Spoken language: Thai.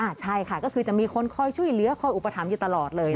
ใช่ค่ะก็คือจะมีคนคอยช่วยเหลือคอยอุปถัมภ์อยู่ตลอดเลย